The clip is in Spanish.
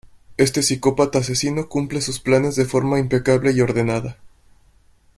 Este psicópata asesino cumple sus planes de forma impecable y ordenada.